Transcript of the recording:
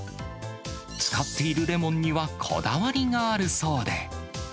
使っているレモンにはこだわりがあるそうで。